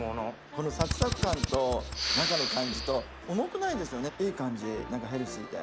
このサクサク感と中の感じと重くないですよねいい感じ何かヘルシーで。